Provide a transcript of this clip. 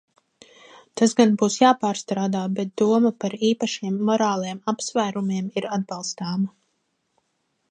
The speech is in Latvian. Tas gan būs jāpārstrādā, bet doma par īpašiem morāliem apsvērumiem ir atbalstāma.